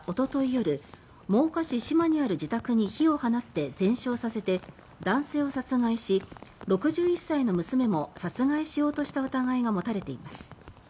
夜真岡市島にある自宅に火を放って全焼させて男性を殺害し６１歳の娘も殺害しようとした疑いが持たれています。